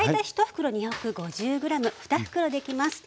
２袋できます。